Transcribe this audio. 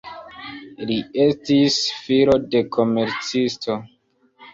Li estis filo de komercisto.